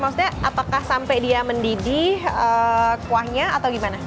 maksudnya apakah sampai dia mendidih kuahnya atau gimana